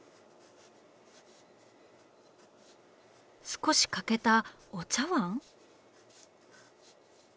少し欠けたお茶碗？